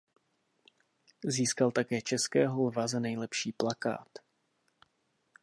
Získal také Českého lva za nejlepší plakát.